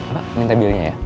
apa minta belinya ya